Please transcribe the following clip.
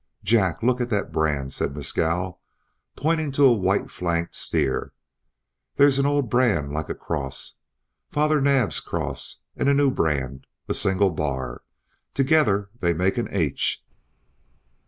"Jack, look at that brand," said Mescal, pointing to a white flanked steer. "There's an old brand like a cross, Father Naab's cross, and a new brand, a single bar. Together they make an H!"